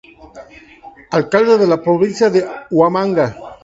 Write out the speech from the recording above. Alcalde de la "Provincia de Huamanga".